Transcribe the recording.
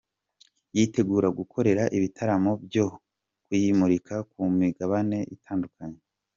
yitegura gukorera ibitaramo byo kuyimurika ku migabane itandukanye.